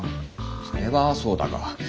それはそうだが。